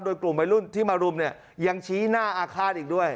โดยกลุ่มวัยรุ่นที่มารุมเนี่ยยังชี้หน้าอาฆาตอีกด้วย